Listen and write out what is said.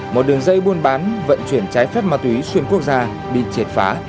một đường dây buôn bán vận chuyển trái phép ma túy xuyên quốc gia bị triệt phá